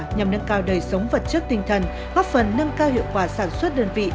nhằm nâng cao đời sống vật chất tinh thần góp phần nâng cao hiệu quả sản xuất đơn vị